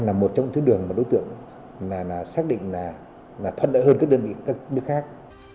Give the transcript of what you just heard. là một trong những tuyến đường mà đối tượng xác định là thoát đỡ hơn các đơn vị nước khác